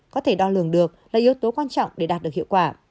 có thể đo lường được là yếu tố quan trọng để đạt được hiệu quả